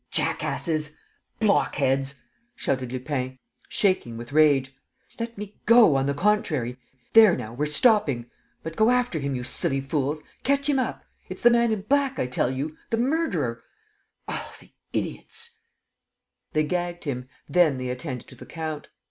"Jackasses! Blockheads!" shouted Lupin, shaking with rage. "Let me go, on the contrary! There now, we're stopping! But go after him, you silly fools, catch him up! ... It's the man in black, I tell you, the murderer! ... Oh, the idiots! ..." They gagged him. Then they attended to the count.